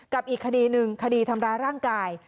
อีกคดีหนึ่งคดีทำร้ายร่างกาย